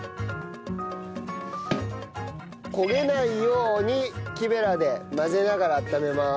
焦げないように木べらで混ぜながら温めます。